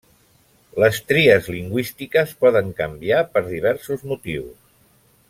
Les tries lingüístiques poden canviar per diversos motius.